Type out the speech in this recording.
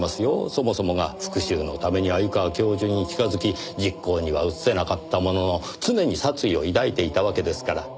そもそもが復讐のために鮎川教授に近づき実行には移せなかったものの常に殺意を抱いていたわけですから。